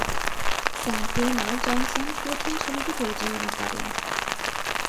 Sam Taylor Johnson প্রথম ছবিটি পরিচালনা করেন।